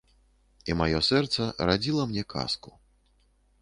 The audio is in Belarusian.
І маё сэрца радзіла мне казку.